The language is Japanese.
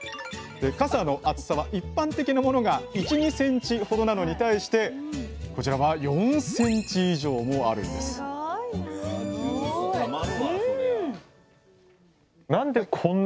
傘の厚さは一般的なものが１２ｃｍほどなのに対してこちらは４ｃｍ以上もあるんですすごいな。